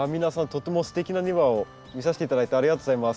とってもすてきな庭を見させて頂いてありがとうございます。